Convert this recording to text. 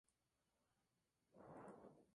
Posiblemente estas sean las madres de Heimdall.